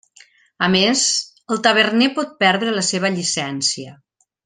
A més, el taverner pot perdre la seva llicència.